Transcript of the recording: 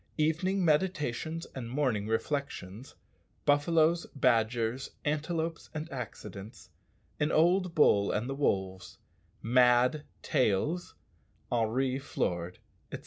_Evening meditations and morning reflections Buffaloes, badgers, antelopes, and accidents An old bull and the wolves "Mad tails" Henri floored, etc.